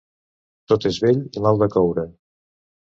Tot és vell i mal de coure.